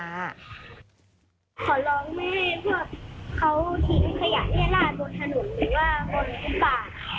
ขอร้องไม่ให้เพราะเขาทีทุกขยะเลี้ยงราดบนถนนหรือว่าบนอุปกรณ์